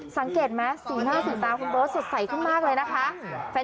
สังเกตไหมสีหน้าสีตาคุณเบิร์ตสดใสขึ้นมากเลยนะคะ